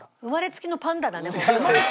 生まれつきのパンダだねホント。